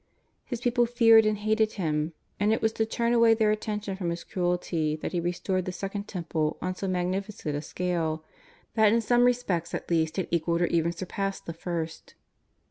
His people feared and hated him, and it was to turn away their attention from his cruelty that he restored the Second Temple on so magnificent a scale, that in some respects at least it equalled or even surpassed the First.